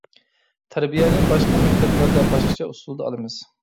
تەربىيەنى باشقا مەكتەپلەردە باشقىچە ئۇسۇلدا ئالىمىز.